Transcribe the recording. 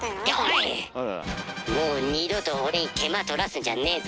もう二度と俺に手間取らすんじゃねえぞ。